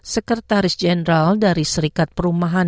sekretaris jenderal dari serikat perumahan